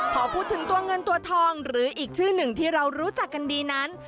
พอพูดถึงตัวเงินตัวทองหรืออีกชื่อหนึ่งที่เรารู้จักกันดีนั้น